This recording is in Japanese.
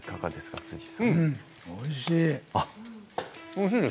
おいしい。